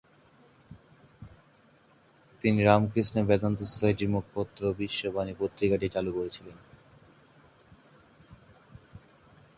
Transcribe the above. তিনি রামকৃষ্ণ বেদান্ত সোসাইটির মুখপত্র বিশ্ববাণী পত্রিকাটি চালু করেছিলেন।